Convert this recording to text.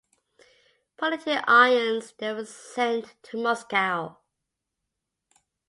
Put into irons, they were sent to Moscow.